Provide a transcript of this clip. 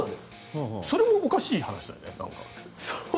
それもおかしい話だよね。